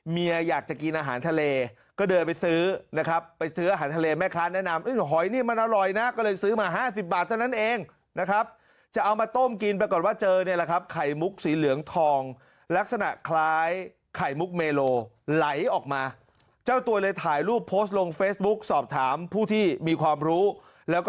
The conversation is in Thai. อยากจะกินอาหารทะเลก็เดินไปซื้อนะครับไปซื้ออาหารทะเลแม่ค้าแนะนำหอยนี่มันอร่อยนะก็เลยซื้อมา๕๐บาทเท่านั้นเองนะครับจะเอามาต้มกินปรากฏว่าเจอเนี่ยแหละครับไข่มุกสีเหลืองทองลักษณะคล้ายไข่มุกเมโลไหลออกมาเจ้าตัวเลยถ่ายรูปโพสต์ลงเฟซบุ๊กสอบถามผู้ที่มีความรู้แล้วก็